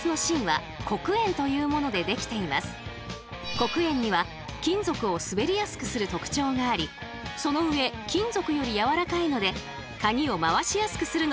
黒鉛には金属を滑りやすくする特徴がありそのうえ金属よりやわらかいのでカギを回しやすくするのにピッタリ。